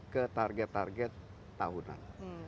ke target target tahunan